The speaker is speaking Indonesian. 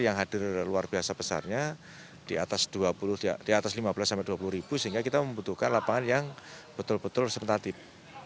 yang hadir luar biasa besarnya di atas lima belas dua puluh ribu sehingga kita membutuhkan lapangan yang betul betul serentatif